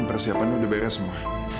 persiapan udah baik baik semua